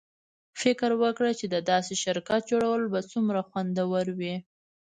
فکر وکړه چې د داسې شرکت جوړول به څومره خوندور وي